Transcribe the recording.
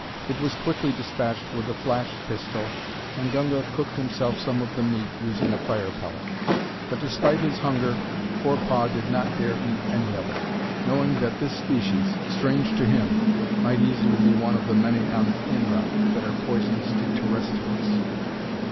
It was quickly dispatched with a flash pistol and Gunga cooked himself some of the meat, using a fire pellet; but despite his hunger Forepaugh did not dare eat any of it, knowing that this species, strange to him, might easily be one of the many on Inra that are poisonous to terrestials.